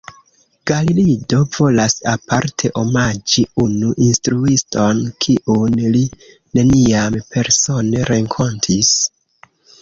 Garrido volas aparte omaĝi unu instruiston, kiun li neniam persone renkontis.